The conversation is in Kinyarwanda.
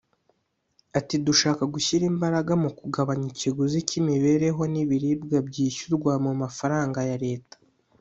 Ati ”Dushaka gushyira imbaraga mu kugabanya ikiguzi cy’imibereho n’ibiribwa byishyurwa mu mafaranga ya Leta